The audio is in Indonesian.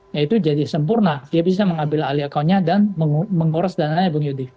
ya itu jadi sempurna dia bisa mengambil alih account nya dan mengores dan lain lain bung yudi